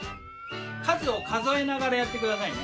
数を数えながらやって下さいね。